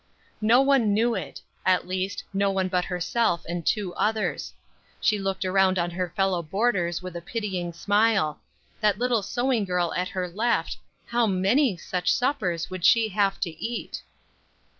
No one knew it; at least, no one but herself and two others. She looked around on her fellow boarders with a pitying smile; that little sewing girl at her left, how many such suppers would she have to eat!